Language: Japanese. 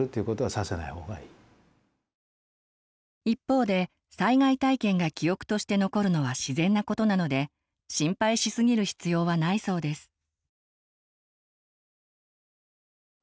一方で災害体験が記憶として残るのは自然なことなので心配しすぎる必要はないそうです。